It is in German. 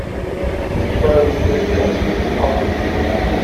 Die beiden sind irgendwie ein süßes Paar.